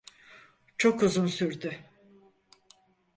Çok uzun sürdü.